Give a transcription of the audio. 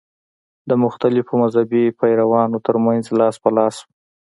د مختلفو مذهبي پیروانو تر منځ لاس په لاس شوه.